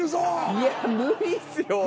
いや無理っすよ俺。